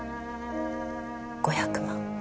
５００万。